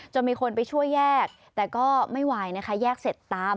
มีคนไปช่วยแยกแต่ก็ไม่ไหวนะคะแยกเสร็จตาม